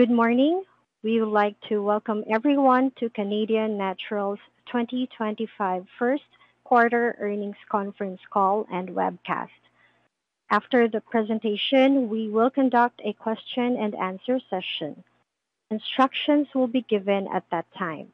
Good morning. We would like to welcome everyone to Canadian Natural's 2025 First Quarter Earnings Conference call and webcast. After the presentation, we will conduct a question-and-answer session. Instructions will be given at that time.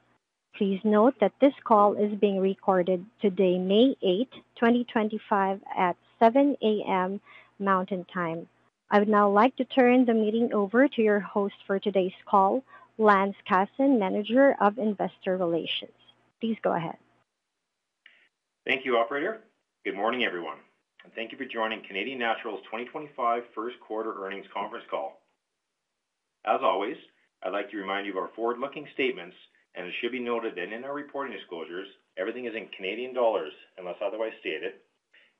Please note that this call is being recorded today, May 8, 2025, at 7:00 A.M. Mountain Time. I would now like to turn the meeting over to your host for today's call, Lance Casson, Manager of Investor Relations. Please go ahead. Thank you, Operator. Good morning, everyone, and thank you for joining Canadian Natural's 2025 First Quarter Earnings Conference call. As always, I'd like to remind you of our forward-looking statements, and it should be noted that in our reporting disclosures, everything is in Canadian dollars unless otherwise stated,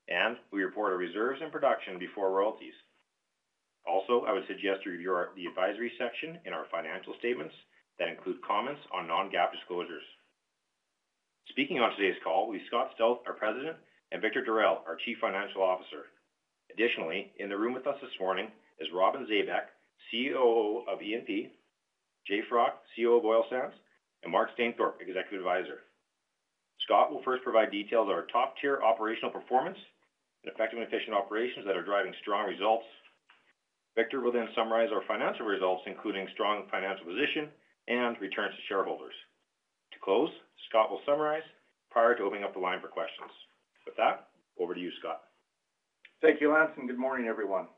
and we report our reserves and production before royalties. Also, I would suggest you review the advisory section in our financial statements that include comments on non-GAAP disclosures. Speaking on today's call, we have Scott Stauth, our President, and Victor Darel, our Chief Financial Officer. Additionally, in the room with us this morning is Robin Zabek, CEO of E&P, Jay Froc, COO of Oil Sands, and Mark Stainthorpe, Executive Advisor. Scott will first provide details of our top-tier operational performance and effective and efficient operations that are driving strong results. Victor will then summarize our financial results, including strong financial position and returns to shareholders. To close, Scott will summarize prior to opening up the line for questions. With that, over to you, Scott. Thank you, Lance, and good morning, everyone.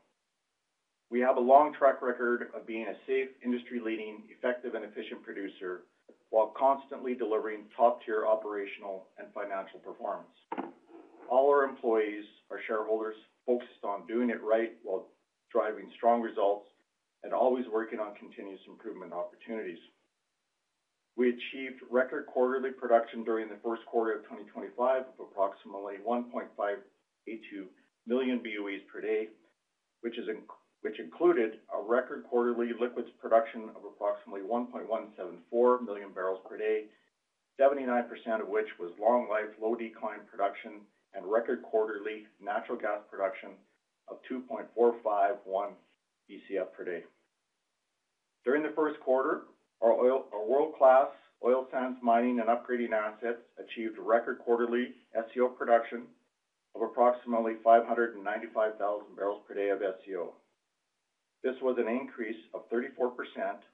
We have a long track record of being a safe, industry-leading, effective, and efficient producer while constantly delivering top-tier operational and financial performance. All our employees, our shareholders, focused on doing it right while driving strong results and always working on continuous improvement opportunities. We achieved record quarterly production during the first quarter of 2025 of approximately 1.582 million BOEs per day, which included a record quarterly liquids production of approximately 1.174 million barrels per day, 79% of which was long-life, low-decline production and record quarterly natural gas production of 2.451 BCF per day. During the first quarter, our world-class Oil Sands mining and upgrading assets achieved record quarterly SCO production of approximately 595,000 barrels per day of SCO. This was an increase of 34%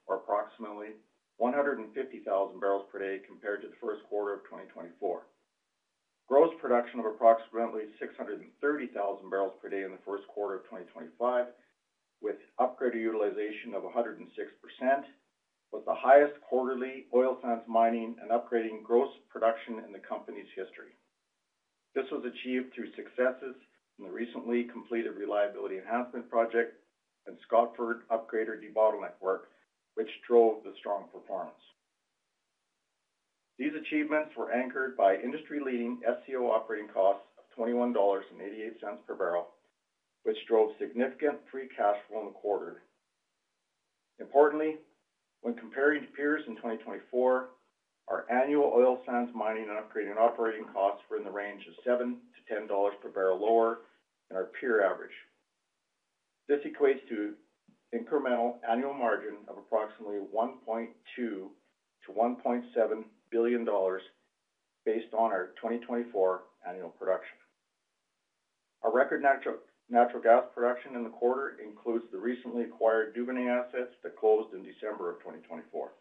or approximately 150,000 barrels per day compared to the first quarter of 2024. Gross production of approximately 630,000 barrels per day in the first quarter of 2025, with upgraded utilization of 106%, was the highest quarterly oil sands mining and upgrading gross production in the company's history. This was achieved through successes in the recently completed reliability enhancement project and Scotford Upgrader debottlenecking, which drove the strong performance. These achievements were anchored by industry-leading SCO operating costs of $21.88 per barrel, which drove significant free cash flow in the quarter. Importantly, when comparing to peers in 2024, our annual oil sands mining and upgrading operating costs were in the range of $7-$10 per barrel lower than our peer average. This equates to an incremental annual margin of approximately $1.2 billion-$1.7 billion based on our 2024 annual production. Our record natural gas production in the quarter includes the recently acquired Duvernay assets that closed in December of 2024.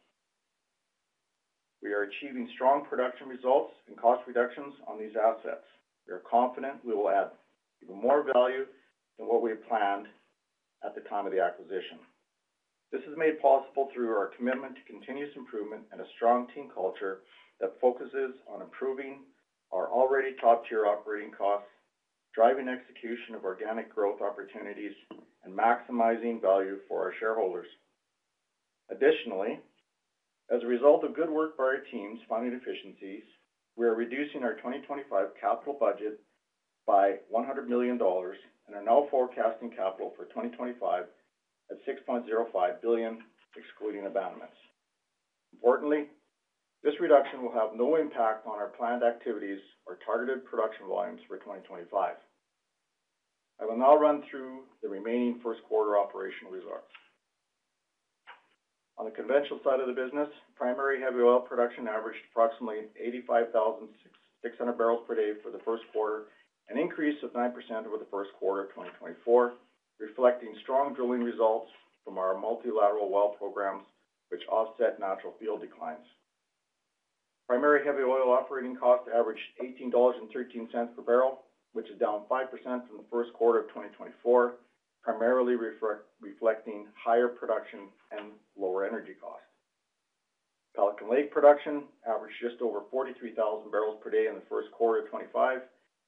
We are achieving strong production results and cost reductions on these assets. We are confident we will add even more value than what we had planned at the time of the acquisition. This is made possible through our commitment to continuous improvement and a strong team culture that focuses on improving our already top-tier operating costs, driving execution of organic growth opportunities, and maximizing value for our shareholders. Additionally, as a result of good work by our teams finding efficiencies, we are reducing our 2025 capital budget by 100 million dollars and are now forecasting capital for 2025 at 6.05 billion excluding abandonments. Importantly, this reduction will have no impact on our planned activities or targeted production volumes for 2025. I will now run through the remaining first quarter operational results. On the conventional side of the business, primary heavy oil production averaged approximately 85,600 barrels per day for the first quarter, an increase of 9% over the first quarter of 2024, reflecting strong drilling results from our multilateral well programs, which offset natural field declines. Primary heavy oil operating cost averaged $18.13 per barrel, which is down 5% from the first quarter of 2024, primarily reflecting higher production and lower energy costs. Pelican Lake production averaged just over 43,000 barrels per day in the first quarter of 2025,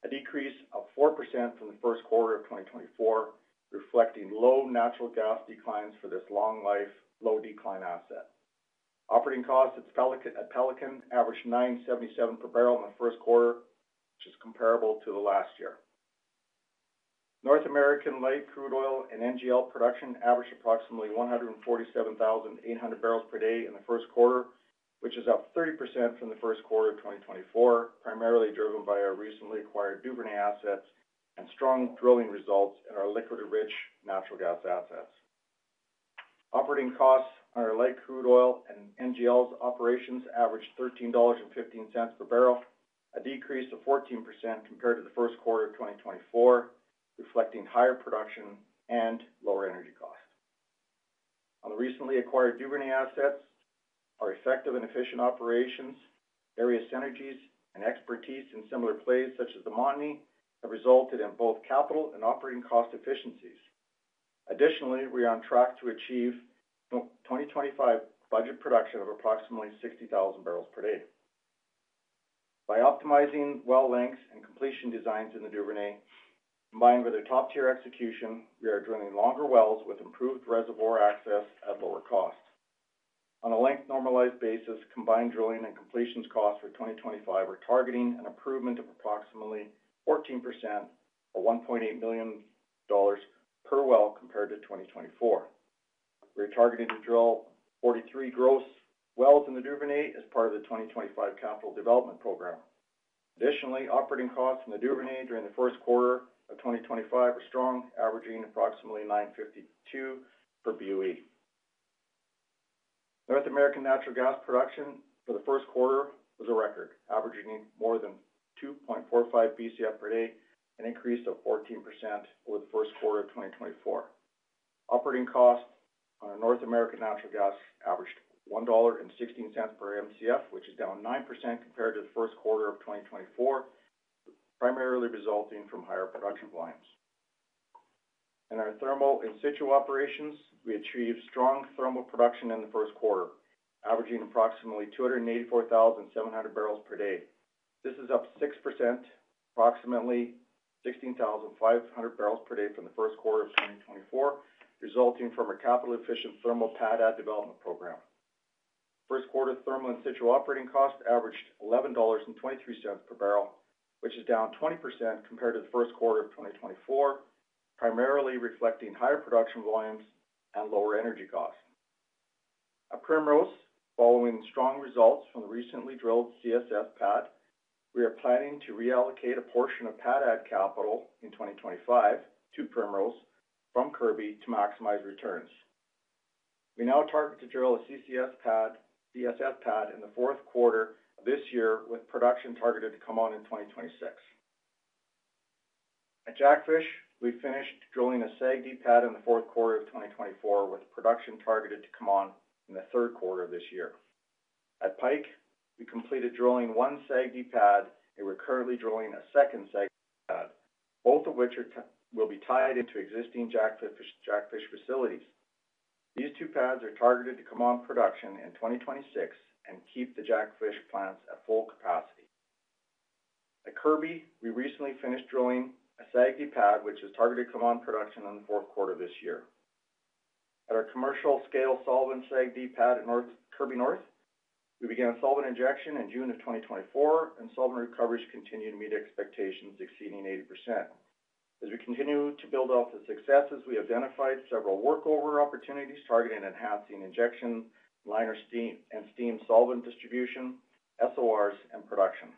a decrease of 4% from the first quarter of 2024, reflecting low natural gas declines for this long-life, low-decline asset. Operating costs at Pelican averaged $9.77 per barrel in the first quarter, which is comparable to the last year. North American light crude oil and NGL production averaged approximately 147,800 barrels per day in the first quarter, which is up 30% from the first quarter of 2024, primarily driven by our recently acquired Duvernay assets and strong drilling results in our liquid-rich natural gas assets. Operating costs on our light crude oil and NGLs operations averaged $13.15 per barrel, a decrease of 14% compared to the first quarter of 2024, reflecting higher production and lower energy costs. On the recently acquired Duvernay assets, our effective and efficient operations, various synergies, and expertise in similar plays such as the Montney have resulted in both capital and operating cost efficiencies. Additionally, we are on track to achieve 2025 budget production of approximately 60,000 barrels per day. By optimizing well lengths and completion designs in the Duvernay, combined with our top-tier execution, we are drilling longer wells with improved reservoir access at lower cost. On a length-normalized basis, combined drilling and completions costs for 2025 are targeting an improvement of approximately 14% or $1.8 million per well compared to 2024. We are targeting to drill 43 gross wells in the Duvernay as part of the 2025 capital development program. Additionally, operating costs in the Duvernay during the first quarter of 2025 were strong, averaging approximately $9.52 per BOE. North American natural gas production for the first quarter was a record, averaging more than 2.45 BCF per day, an increase of 14% over the first quarter of 2024. Operating costs on North American natural gas averaged $1.16 per MCF, which is down 9% compared to the first quarter of 2024, primarily resulting from higher production volumes. In our thermal in-situ operations, we achieved strong thermal production in the first quarter, averaging approximately 284,700 barrels per day. This is up 6%, approximately 16,500 barrels per day from the first quarter of 2024, resulting from our capital-efficient thermal pad add development program. First quarter thermal in-situ operating costs averaged 11.23 dollars per barrel, which is down 20% compared to the first quarter of 2024, primarily reflecting higher production volumes and lower energy costs. At Primrose, following strong results from the recently drilled CSS pad, we are planning to reallocate a portion of pad add capital in 2025 to Primrose from Kirby to maximize returns. We now target to drill a CSS pad in the fourth quarter of this year, with production targeted to come on in 2026. At Jackfish, we finished drilling a SAGD pad in the fourth quarter of 2024, with production targeted to come on in the third quarter of this year. At Pike, we completed drilling one SAGD pad, and we're currently drilling a second SAGD pad, both of which will be tied into existing Jackfish facilities. These two pads are targeted to come on production in 2026 and keep the Jackfish plants at full capacity. At Kirby, we recently finished drilling a SAGD pad, which is targeted to come on production in the fourth quarter of this year. At our commercial-scale solvent SAGD pad at Kirby North, we began solvent injection in June of 2024, and solvent recoveries continue to meet expectations, exceeding 80%. As we continue to build up the successes, we identified several workover opportunities targeting enhancing injection, liner and steam solvent distribution, SORs, and production.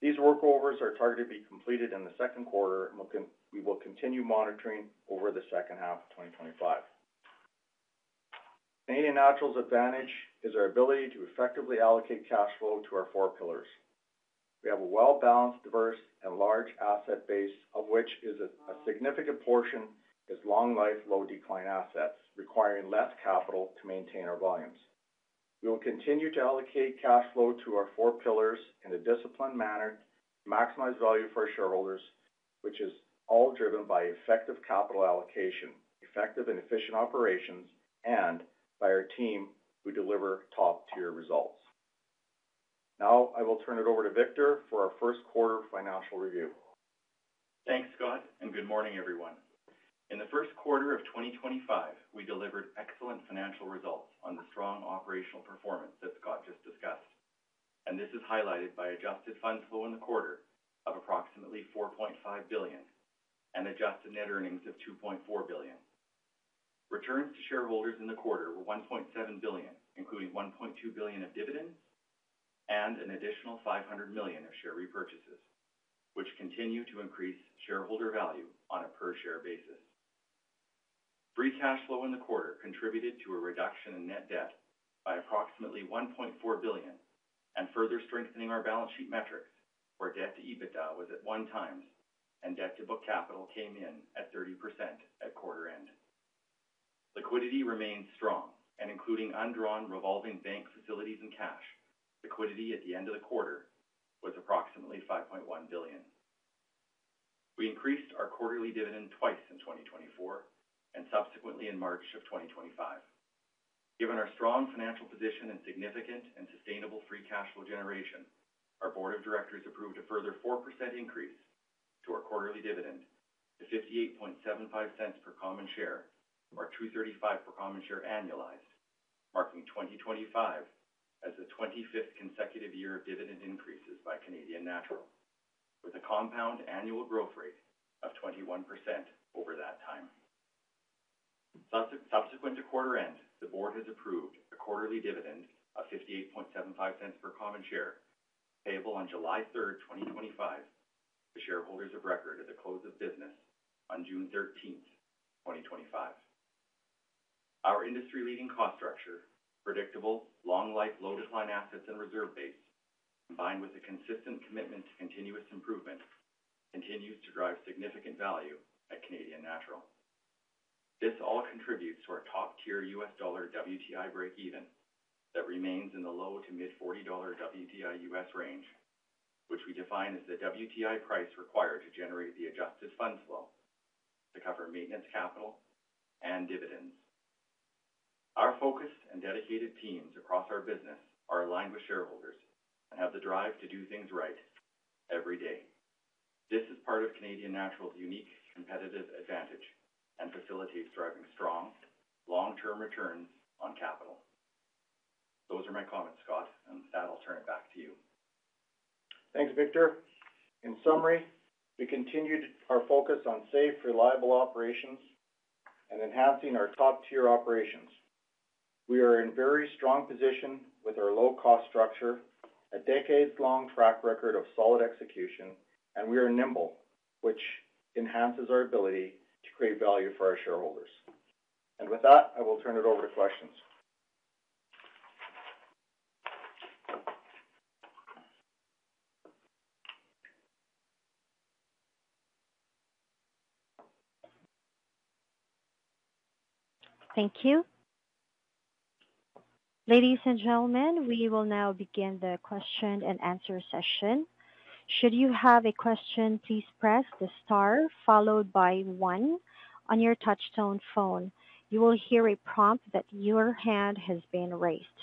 These workovers are targeted to be completed in the second quarter, and we will continue monitoring over the second half of 2025. Canadian Natural's advantage is our ability to effectively allocate cash flow to our four pillars. We have a well-balanced, diverse, and large asset base, of which a significant portion is long-life, low-decline assets, requiring less capital to maintain our volumes. We will continue to allocate cash flow to our four pillars in a disciplined manner to maximize value for our shareholders, which is all driven by effective capital allocation, effective and efficient operations, and by our team who deliver top-tier results. Now, I will turn it over to Victor for our first quarter financial review. Thanks, Scott, and good morning, everyone. In the first quarter of 2025, we delivered excellent financial results on the strong operational performance that Scott just discussed, and this is highlighted by adjusted funds flow in the quarter of approximately 4.5 billion and adjusted net earnings of 2.4 billion. Returns to shareholders in the quarter were 1.7 billion, including 1.2 billion of dividends and an additional 500 million of share repurchases, which continue to increase shareholder value on a per-share basis. Free cash flow in the quarter contributed to a reduction in net debt by approximately 1.4 billion and further strengthening our balance sheet metrics, where debt to EBITDA was at one times and debt to book capital came in at 30% at quarter end. Liquidity remained strong, and including undrawn revolving bank facilities and cash, liquidity at the end of the quarter was approximately 5.1 billion. We increased our quarterly dividend twice in 2024 and subsequently in March of 2025. Given our strong financial position and significant and sustainable free cash flow generation, our Board of Directors approved a further 4% increase to our quarterly dividend to 58.75 per common share, or 2.35 per common share annualized, marking 2025 as the 25th consecutive year of dividend increases by Canadian Natural, with a compound annual growth rate of 21% over that time. Subsequent to quarter end, the Board has approved a quarterly dividend of 58.75 per common share, payable on July 3, 2025, to shareholders of record at the close of business on June 13, 2025. Our industry-leading cost structure, predictable long-life, low-decline assets and reserve base, combined with a consistent commitment to continuous improvement, continues to drive significant value at Canadian Natural. This all contributes to our top-tier U.S. dollar WTI break-even that remains in the low to mid-$40 WTI U.S. range, which we define as the WTI price required to generate the adjusted funds flow to cover maintenance capital and dividends. Our focused and dedicated teams across our business are aligned with shareholders and have the drive to do things right every day. This is part of Canadian Natural's unique competitive advantage and facilitates driving strong, long-term returns on capital. Those are my comments, Scott, and with that, I'll turn it back to you. Thanks, Victor. In summary, we continued our focus on safe, reliable operations and enhancing our top-tier operations. We are in a very strong position with our low-cost structure, a decades-long track record of solid execution, and we are nimble, which enhances our ability to create value for our shareholders. And with that, I will turn it over to questions. Thank you. Ladies and gentlemen, we will now begin the question and answer session. Should you have a question, please press the star followed by one on your touch-tone phone. You will hear a prompt that your hand has been raised.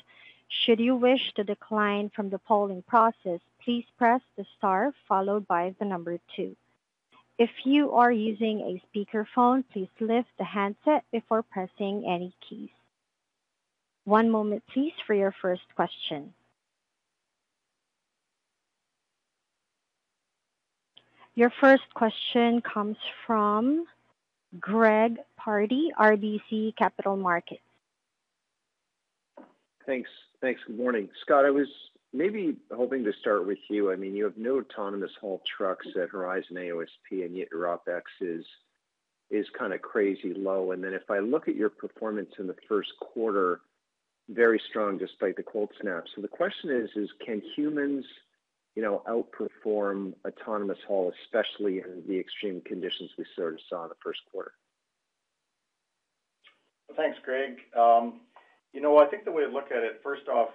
Should you wish to decline from the polling process, please press the star followed by the number two. If you are using a speakerphone, please lift the handset before pressing any keys. One moment, please, for your first question. Your first question comes from Greg Pardy, RBC Capital Markets. Thanks. Thanks. Good morning. Scott, I was maybe hoping to start with you. I mean, you have no autonomous haul trucks at Horizon AOSP, and yet your OpEx is kind of crazy low. And then if I look at your performance in the first quarter, very strong despite the cold snaps. So the question is, can humans outperform autonomous haul, especially in the extreme conditions we sort of saw in the first quarter? Thanks, Greg. You know, I think the way to look at it, first off,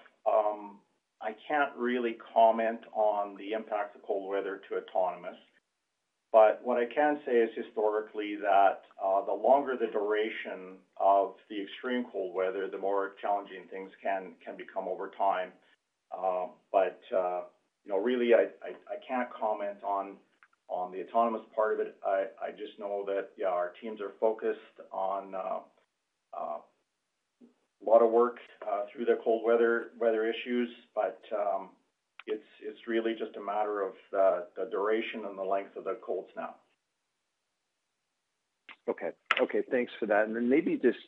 I can't really comment on the impact of cold weather to autonomous. But what I can say is historically that the longer the duration of the extreme cold weather, the more challenging things can become over time. But really, I can't comment on the autonomous part of it. I just know that our teams are focused on a lot of work through the cold weather issues, but it's really just a matter of the duration and the length of the cold snap. Okay. Okay. Thanks for that. And then maybe just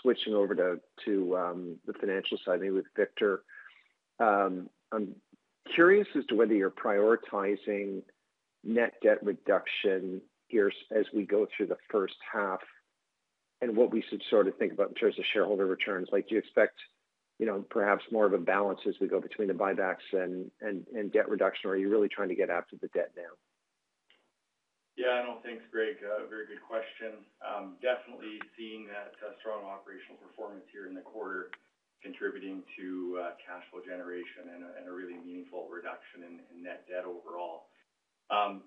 switching over to the financial side, maybe with Victor. I'm curious as to whether you're prioritizing net debt reduction here as we go through the first half and what we should sort of think about in terms of shareholder returns. Do you expect perhaps more of a balance as we go between the buybacks and debt reduction, or are you really trying to get after the debt now? Yeah, I don't think so, Greg. Very good question. Definitely seeing that strong operational performance here in the quarter contributing to cash flow generation and a really meaningful reduction in net debt overall.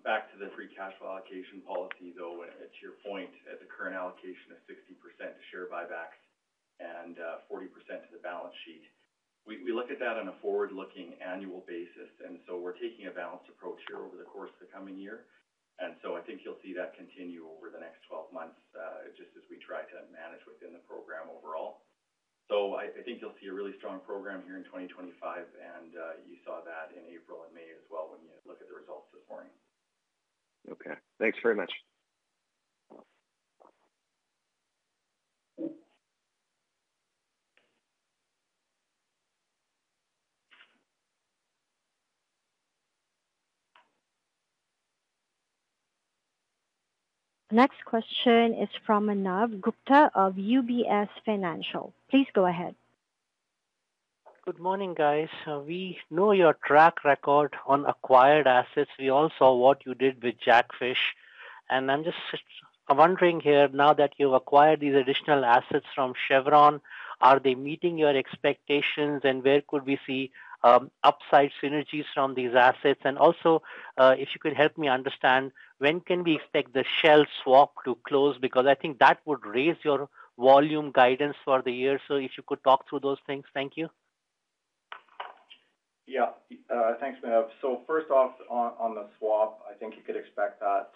Back to the free cash flow allocation policy, though, to your point, at the current allocation of 60% to share buybacks and 40% to the balance sheet, we look at that on a forward-looking annual basis. And so we're taking a balanced approach here over the course of the coming year. And so I think you'll see that continue over the next 12 months just as we try to manage within the program overall. So I think you'll see a really strong program here in 2025, and you saw that in April and May as well when you look at the results this morning. Okay. Thanks very much. The next question is from Manav Gupta of UBS. Please go ahead. Good morning, guys. We know your track record on acquired assets. We all saw what you did with Jackfish. And I'm just wondering here, now that you've acquired these additional assets from Chevron, are they meeting your expectations, and where could we see upside synergies from these assets? And also, if you could help me understand, when can we expect the Shell swap to close? Because I think that would raise your volume guidance for the year. So if you could talk through those things. Thank you. Yeah. Thanks, Manav. So first off, on the swap, I think you could expect that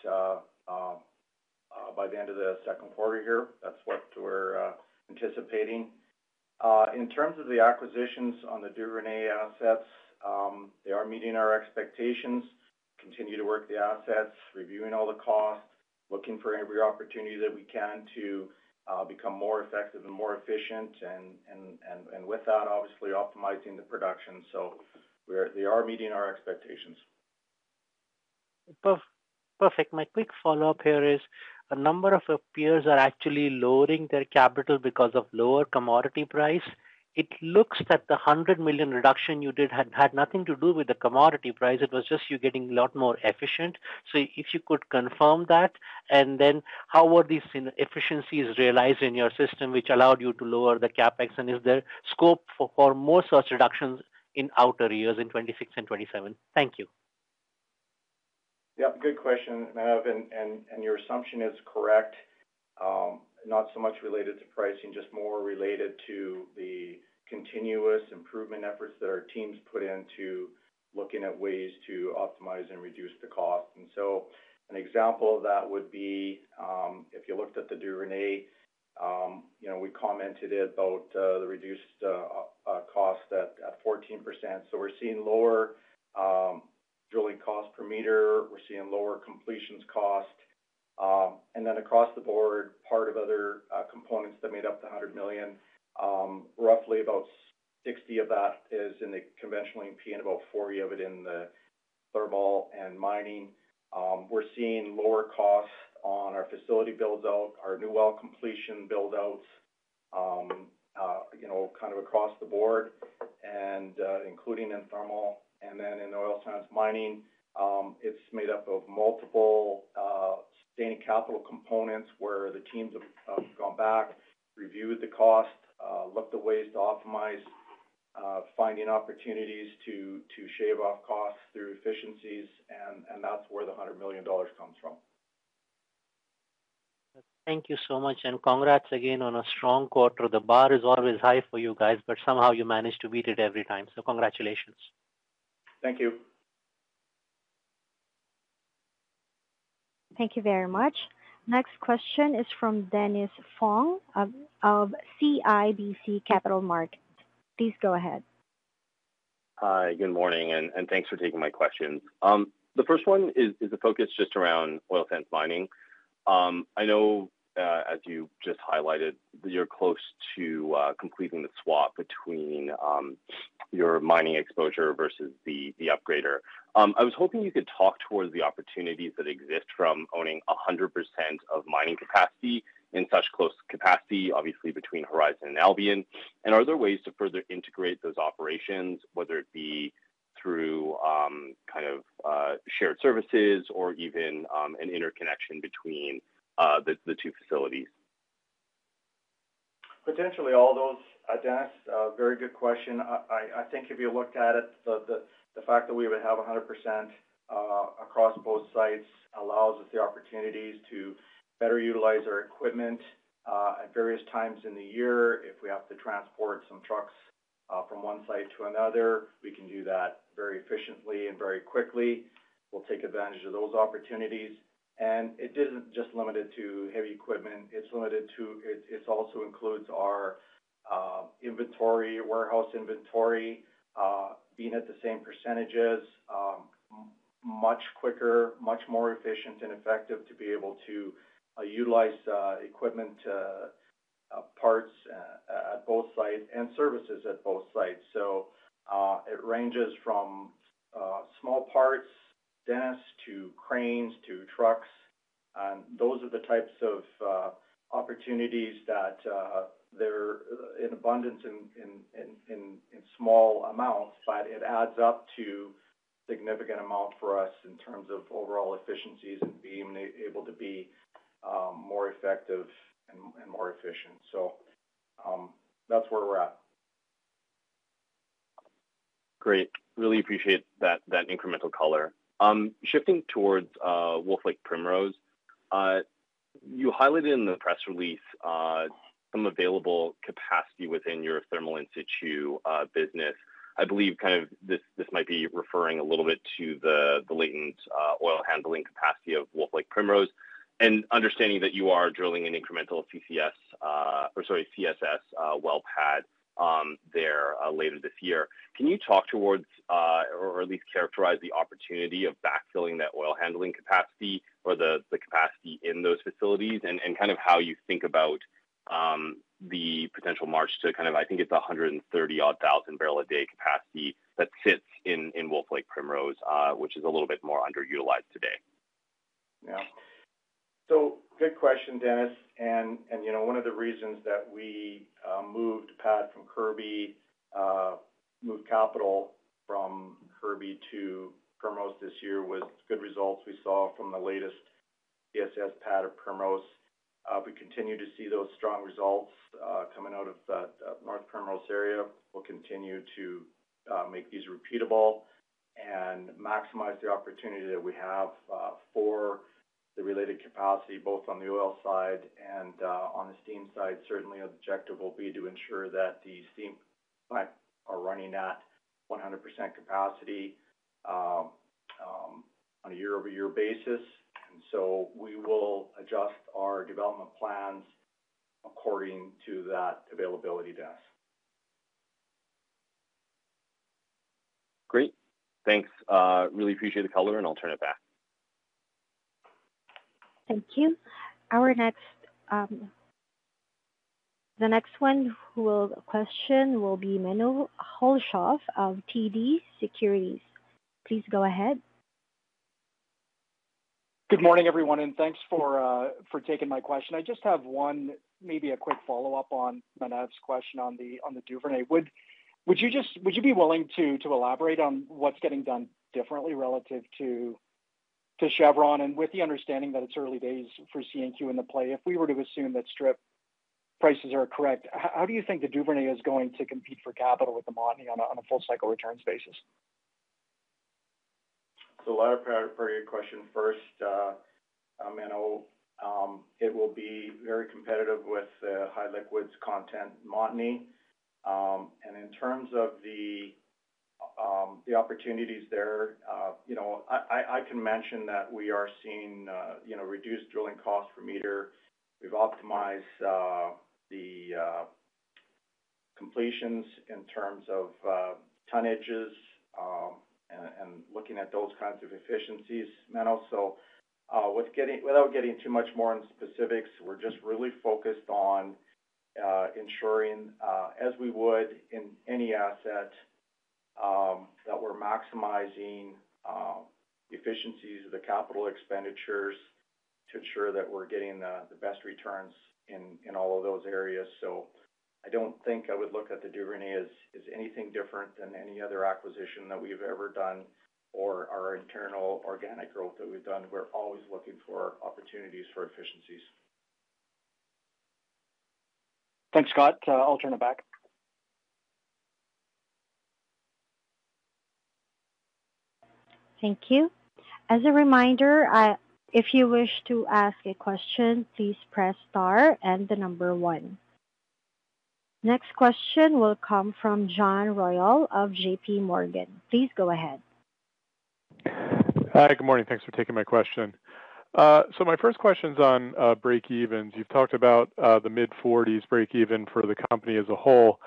by the end of the second quarter here. That's what we're anticipating. In terms of the acquisitions on the Duvernay assets, they are meeting our expectations. Continue to work the assets, reviewing all the costs, looking for every opportunity that we can to become more effective and more efficient, and with that, obviously, optimizing the production. So they are meeting our expectations. Perfect. My quick follow-up here is a number of peers are actually lowering their capital because of lower commodity price. It looks that the 100 million reduction you did had nothing to do with the commodity price. It was just you getting a lot more efficient. So if you could confirm that, and then how were these efficiencies realized in your system, which allowed you to lower the CapEx? And is there scope for more such reductions in outer years in 2026 and 2027? Thank you. Yeah. Good question, Manav, and your assumption is correct. Not so much related to pricing, just more related to the continuous improvement efforts that our teams put into looking at ways to optimize and reduce the cost. So an example of that would be if you looked at the Duvernay, we commented about the reduced cost at 14%. We're seeing lower drilling cost per meter. We're seeing lower completions cost. And then across the board, part of other components that made up the $100 million, roughly about 60 of that is in the conventional E&P, and about 40 of it in the thermal and mining. We're seeing lower costs on our facility buildout, our new well completion buildouts, kind of across the board, including in thermal. In the oil sands mining, it's made up of multiple sustaining capital components where the teams have gone back, reviewed the cost, looked at ways to optimize, finding opportunities to shave off costs through efficiencies, and that's where the 100 million dollars comes from. Thank you so much, and congrats again on a strong quarter. The bar is always high for you guys, but somehow you managed to beat it every time. So congratulations. Thank you. Thank you very much. Next question is from Dennis Fong of CIBC Capital Markets. Please go ahead. Hi. Good morning, and thanks for taking my questions. The first one is a focus just around oil sands mining. I know, as you just highlighted, that you're close to completing the swap between your mining exposure versus the upgrader. I was hoping you could talk about the opportunities that exist from owning 100% of mining capacity in such close proximity, obviously between Horizon and Albian. And are there ways to further integrate those operations, whether it be through kind of shared services or even an interconnection between the two facilities? Potentially all those, Dennis. Very good question. I think if you looked at it, the fact that we would have 100% across both sites allows us the opportunities to better utilize our equipment at various times in the year. If we have to transport some trucks from one site to another, we can do that very efficiently and very quickly. We'll take advantage of those opportunities, and it isn't just limited to heavy equipment. It's also includes our inventory, warehouse inventory, being at the same percentages, much quicker, much more efficient and effective to be able to utilize equipment parts at both sites and services at both sites, so it ranges from small parts, Dennis, to cranes, to trucks. And those are the types of opportunities that they're in abundance in small amounts, but it adds up to a significant amount for us in terms of overall efficiencies and being able to be more effective and more efficient. So that's where we're at. Great. Really appreciate that incremental color. Shifting towards Wolf Lake Primrose, you highlighted in the press release some available capacity within your thermal in situ business. I believe kind of this might be referring a little bit to the latent oil handling capacity of Wolf Lake Primrose and understanding that you are drilling an incremental CCS or sorry, CSS well pad there later this year. Can you talk towards or at least characterize the opportunity of backfilling that oil handling capacity or the capacity in those facilities and kind of how you think about the potential march to kind of, I think it's 130,000-odd barrel a day capacity that sits in Wolf Lake Primrose, which is a little bit more underutilized today? Yeah, so good question, Dennis. One of the reasons that we moved pad from Kirby, moved capital from Kirby to Primrose this year was good results we saw from the latest CSS pad of Primrose. We continue to see those strong results coming out of the North Primrose area. We'll continue to make these repeatable and maximize the opportunity that we have for the related capacity, both on the oil side and on the steam side. Certainly, the objective will be to ensure that the steam plants are running at 100% capacity on a year-over-year basis. We will adjust our development plans according to that availability, Dennis. Great. Thanks. Really appreciate the color, and I'll turn it back. Thank you. The next question will be Menno Hulshof of TD Securities. Please go ahead. Good morning, everyone, and thanks for taking my question. I just have one, maybe a quick follow-up on Manav's question on the Duvernay. Would you be willing to elaborate on what's getting done differently relative to Chevron? And with the understanding that it's early days for CNQ in the play, if we were to assume that strip prices are correct, how do you think the Duvernay is going to compete for capital with the Montney on a full-cycle returns basis? A lot of very good questions. First, Manav, it will be very competitive with the high liquids content Montney. And in terms of the opportunities there, I can mention that we are seeing reduced drilling costs per meter. We've optimized the completions in terms of tonnages and looking at those kinds of efficiencies, Manav. So without getting too much more in specifics, we're just really focused on ensuring, as we would in any asset, that we're maximizing efficiencies of the capital expenditures to ensure that we're getting the best returns in all of those areas. So I don't think I would look at the Duvernay as anything different than any other acquisition that we've ever done or our internal organic growth that we've done. We're always looking for opportunities for efficiencies. Thanks, Scott. I'll turn it back. Thank you. As a reminder, if you wish to ask a question, please press star and the number one. Next question will come from John Royall of J.P. Morgan. Please go ahead. Hi. Good morning. Thanks for taking my question. So my first question is on breakevens. You've talked about the mid-40s breakeven for the company as a whole,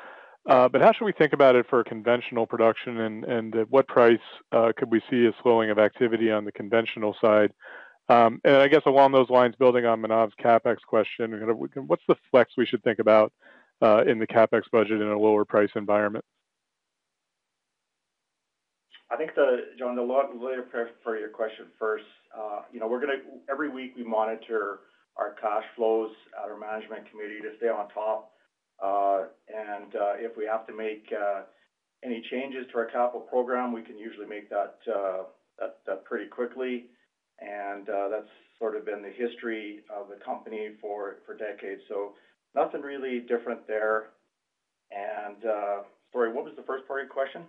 but how should we think about it for conventional production? And at what price could we see a slowing of activity on the conventional side? And I guess along those lines, building on Manav's CapEx question, what's the flex we should think about in the CapEx budget in a lower price environment? I think, John, a lot of leeway for your question first. Every week, we monitor our cash flows at our management committee to stay on top, and if we have to make any changes to our capital program, we can usually make that pretty quickly, and that's sort of been the history of the company for decades, so nothing really different there. And sorry, what was the first part of your question?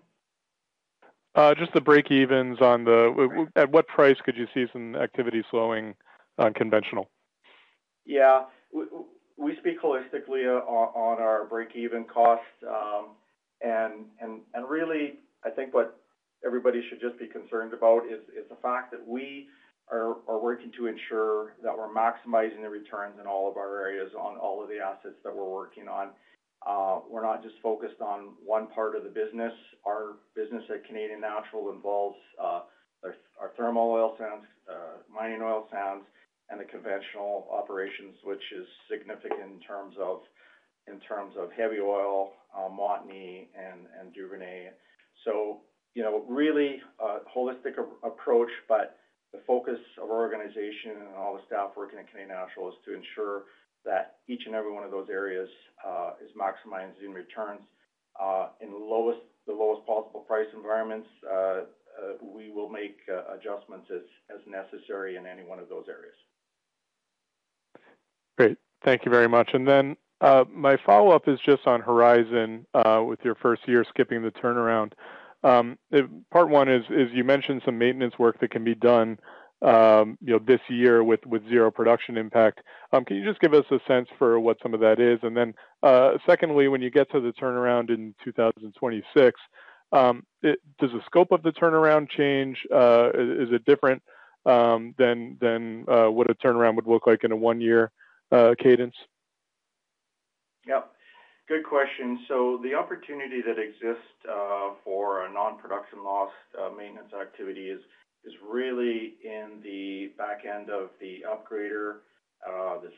Just the breakevens on that. At what price could you see some activity slowing on conventional? Yeah. We speak holistically on our breakeven costs, and really, I think what everybody should just be concerned about is the fact that we are working to ensure that we're maximizing the returns in all of our areas on all of the assets that we're working on. We're not just focused on one part of the business. Our business at Canadian Natural involves our thermal oil sands, mining oil sands, and the conventional operations, which is significant in terms of heavy oil, Montney, and Duvernay, so really a holistic approach, but the focus of our organization and all the staff working at Canadian Natural is to ensure that each and every one of those areas is maximizing returns in the lowest possible price environments. We will make adjustments as necessary in any one of those areas. Great. Thank you very much. And then my follow-up is just on Horizon with your first year skipping the turnaround. Part one is you mentioned some maintenance work that can be done this year with zero production impact. Can you just give us a sense for what some of that is? And then secondly, when you get to the turnaround in 2026, does the scope of the turnaround change? Is it different than what a turnaround would look like in a one-year cadence? Yeah. Good question. So the opportunity that exists for a non-production loss maintenance activity is really in the back end of the upgrader,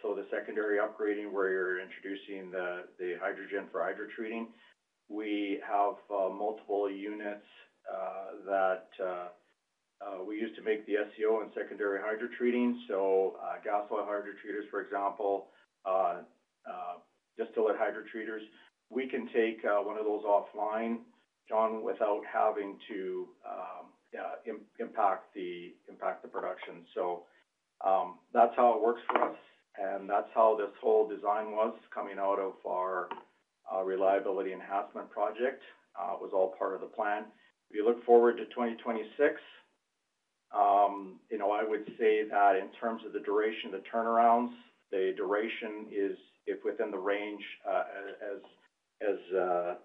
so the secondary upgrading where you're introducing the hydrogen for hydrotreating. We have multiple units that we use to make the SCO and secondary hydrotreating. So gas oil hydrotreaters, for example, distillate hydrotreaters. We can take one of those offline, John, without having to impact the production. So that's how it works for us. And that's how this whole design was coming out of our reliability enhancement project. It was all part of the plan. If you look forward to 2026, I would say that in terms of the duration of the turnarounds, the duration is within the range as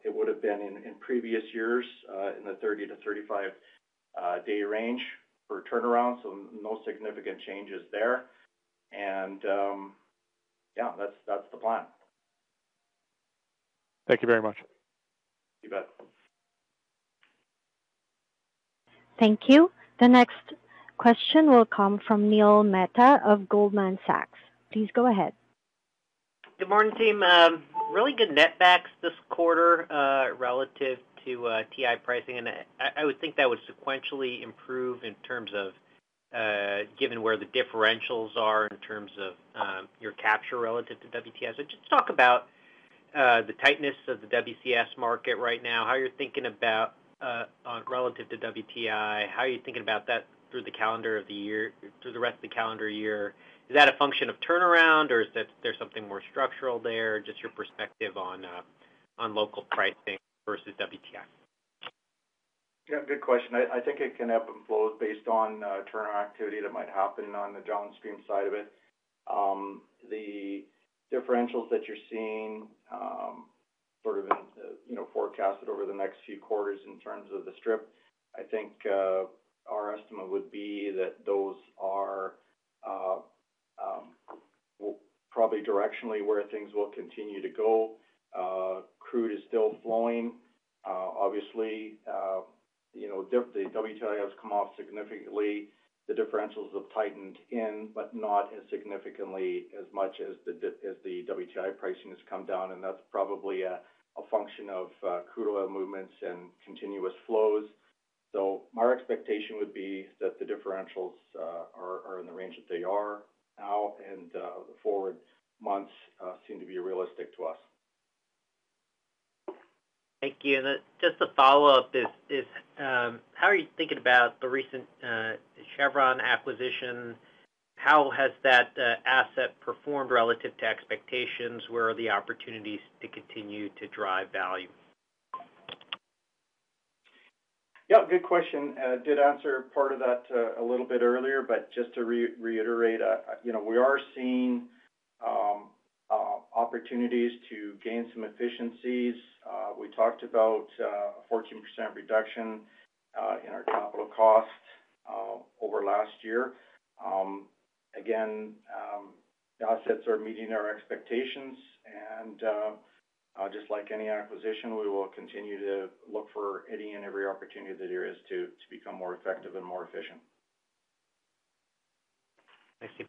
it would have been in previous years in the 30-35-day range for turnarounds. So no significant changes there. And yeah, that's the plan. Thank you very much. You bet. Thank you. The next question will come from Neil Mehta of Goldman Sachs. Please go ahead. Good morning, team. Really good netbacks this quarter relative to WTI pricing. And I would think that would sequentially improve in terms of given where the differentials are in terms of your capture relative to WTI. So just talk about the tightness of the WCS market right now, how you're thinking about relative to WTI, how you're thinking about that through the calendar of the year, through the rest of the calendar year. Is that a function of turnaround, or is there something more structural there, just your perspective on local pricing versus WTI? Yeah. Good question. I think it can happen based on turnaround activity that might happen on the downstream side of it. The differentials that you're seeing sort of forecasted over the next few quarters in terms of the strip, I think our estimate would be that those are probably directionally where things will continue to go. Crude is still flowing. Obviously, the WTI has come off significantly. The differentials have tightened in, but not as significantly as much as the WTI pricing has come down. And that's probably a function of crude oil movements and continuous flows. So my expectation would be that the differentials are in the range that they are now, and the forward months seem to be realistic to us. Thank you. And just to follow up, how are you thinking about the recent Chevron acquisition? How has that asset performed relative to expectations? Where are the opportunities to continue to drive value? Yeah. Good question. I did answer part of that a little bit earlier, but just to reiterate, we are seeing opportunities to gain some efficiencies. We talked about a 14% reduction in our capital costs over last year. Again, the assets are meeting our expectations, and just like any acquisition, we will continue to look for any and every opportunity that there is to become more effective and more efficient. Thank you.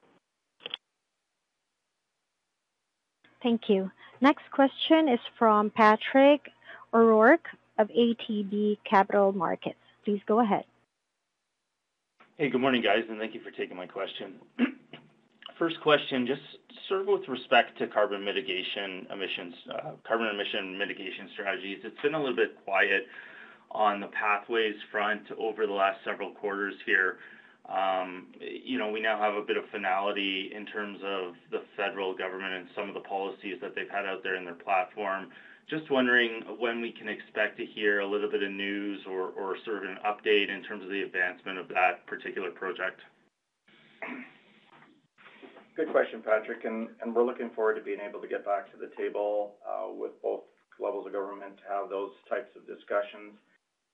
Thank you. Next question is from Patrick O'Rourke of ATB Capital Markets. Please go ahead. Hey, good morning, guys, and thank you for taking my question. First question, just sort of with respect to carbon mitigation strategies. It's been a little bit quiet on the Pathways front over the last several quarters here. We now have a bit of finality in terms of the federal government and some of the policies that they've had out there in their platform. Just wondering when we can expect to hear a little bit of news or sort of an update in terms of the advancement of that particular project? Good question, Patrick. And we're looking forward to being able to get back to the table with both levels of government to have those types of discussions.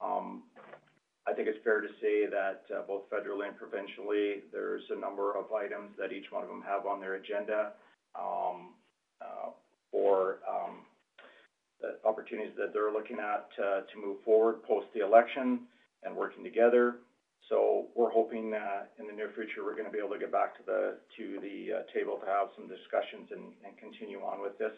I think it's fair to say that both federally and provincially, there's a number of items that each one of them have on their agenda for the opportunities that they're looking at to move forward post the election and working together. So we're hoping that in the near future, we're going to be able to get back to the table to have some discussions and continue on with this.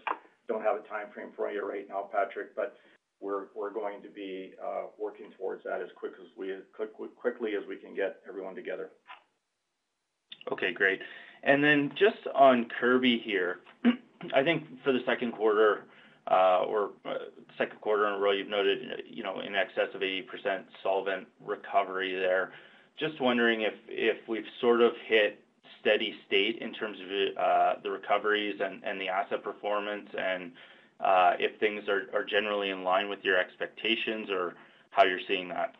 Don't have a timeframe for you right now, Patrick, but we're going to be working towards that as quickly as we can get everyone together. Okay. Great. And then just on Kirby here, I think for the second quarter or second quarter in a row, you've noted an excess of 80% solvent recovery there. Just wondering if we've sort of hit steady state in terms of the recoveries and the asset performance and if things are generally in line with your expectations or how you're seeing that.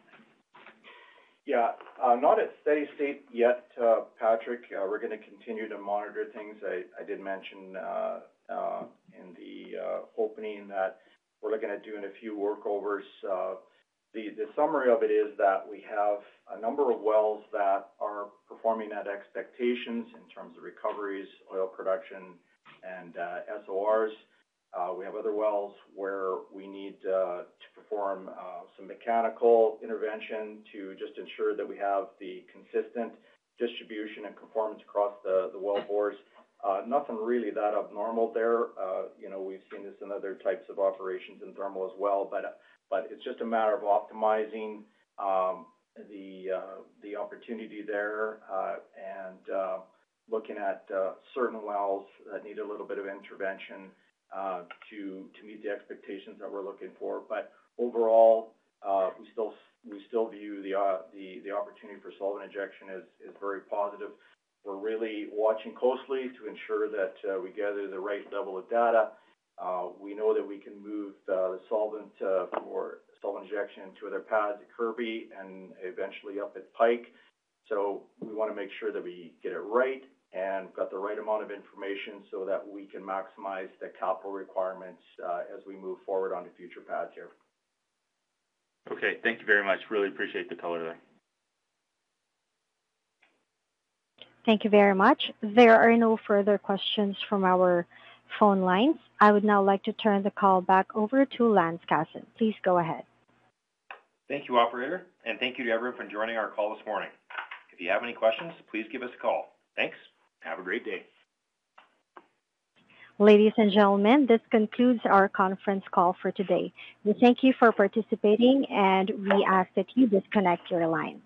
Yeah. Not at steady state yet, Patrick. We're going to continue to monitor things. I did mention in the opening that we're looking at doing a few workovers. The summary of it is that we have a number of wells that are performing at expectations in terms of recoveries, oil production, and SORs. We have other wells where we need to perform some mechanical intervention to just ensure that we have the consistent distribution and performance across the well bores. Nothing really that abnormal there. We've seen this in other types of operations in thermal as well, but it's just a matter of optimizing the opportunity there and looking at certain wells that need a little bit of intervention to meet the expectations that we're looking for. But overall, we still view the opportunity for solvent injection as very positive. We're really watching closely to ensure that we gather the right level of data. We know that we can move the solvent for solvent injection to other paths at Kirby and eventually up at Pike. So we want to make sure that we get it right and got the right amount of information so that we can maximize the capital requirements as we move forward on the future path here. Okay. Thank you very much. Really appreciate the color there. Thank you very much. There are no further questions from our phone lines. I would now like to turn the call back over to Lance Casson. Please go ahead. Thank you, operator. And thank you to everyone for joining our call this morning. If you have any questions, please give us a call. Thanks. Have a great day. Ladies and gentlemen, this concludes our conference call for today. We thank you for participating, and we ask that you disconnect your line.